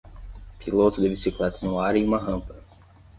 Piloto de bicicleta no ar em uma rampa